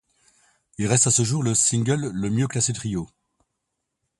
Il reste à ce jour le single le mieux classé du trio.